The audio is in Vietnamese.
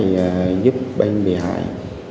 tôi giúp bên bị hại